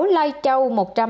lai châu một trăm linh tám